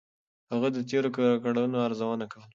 هغه د تېرو کړنو ارزونه کوله.